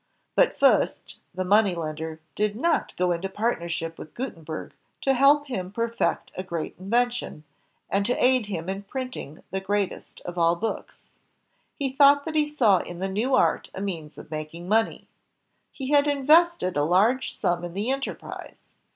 But Fust, the money lender, did not go into partnership with Gutenberg to help him perfect a great invention, and to aid him in printing the greatest of all books. He thought that he saw in the new art a means of making money. He had invested a large sum in the enterprise.